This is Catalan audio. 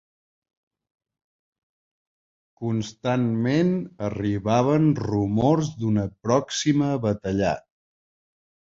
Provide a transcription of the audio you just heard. Constantment arribaven rumors d'una pròxima batallar